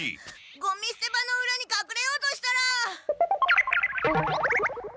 ごみすて場のうらに隠れようとしたら。